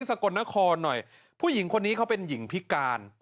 สกลนครหน่อยผู้หญิงคนนี้เขาเป็นหญิงพิการ